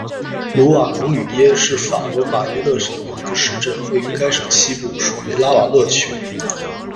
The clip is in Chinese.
卢瓦龙吕耶是法国马耶讷省的一个市镇，位于该省西部，属于拉瓦勒区。